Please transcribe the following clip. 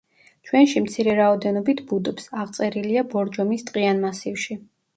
ჩვენში მცირე რაოდენობით ბუდობს, აღწერილია ბორჯომის ტყიან მასივში.